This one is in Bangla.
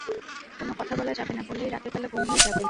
কোনো কথা বলা যাবে না, বললেই রাতের বেলা গুম হয়ে যাবেন।